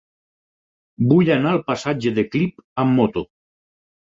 Vull anar al passatge de Clip amb moto.